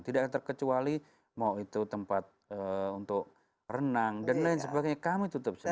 tidak terkecuali mau itu tempat untuk renang dan lain sebagainya kami tutup